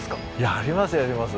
やりますやります